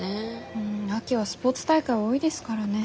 うん秋はスポーツ大会多いですからね。